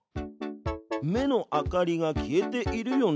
目の明かりが消えているよね。